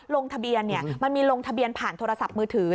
ลงทะเบียนมันมีลงทะเบียนผ่านโทรศัพท์มือถือ